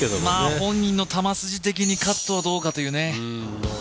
本人の球筋的にカットはどうかというね。